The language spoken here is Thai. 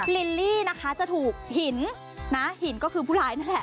ลิลลี่นะคะจะถูกหินนะหินก็คือผู้ร้ายนั่นแหละ